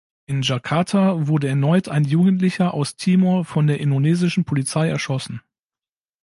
In Djakarta wurde erneut ein Jugendlicher aus Timor von der indonesischen Polizei erschossen.